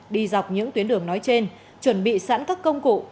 đi dọc những tuyến đường nói trên chuẩn bị sẵn các công cụ